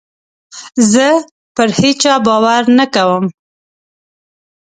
زه پر هېچا باور نه کوم.